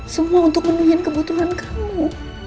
semua untuk memenuhi kebutuhan kamu